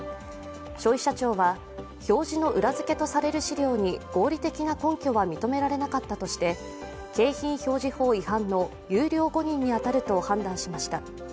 消費者庁は、表示の裏づけとされる資料に合理的な根拠が認められなかったとして景品表示法違反の優良誤認に当たると判断しました。